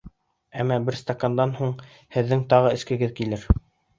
Әммә бер стакандан һуң һеҙҙең тағын эскегеҙ килер.